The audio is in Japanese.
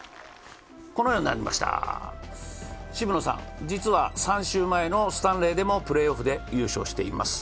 渋野さん、実は３週前のスタンレーでもプレーオフで優勝しています。